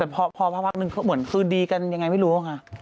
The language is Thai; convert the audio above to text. แต่พอพักหนึ่งเหมือนคือดีกันอย่างไรไม่รู้หรอกค่ะ